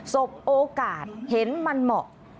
สบโอกาสเห็นมันเหมาะ